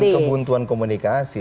bukan kebutuhan komunikasi